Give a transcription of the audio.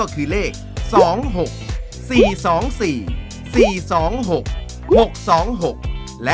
สวัสดีครับ